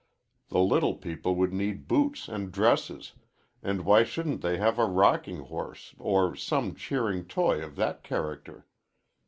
The little people would need boots and dresses, and why shouldn't they have a rocking horse or some cheering toy of that character?